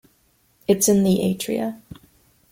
It's in the atria.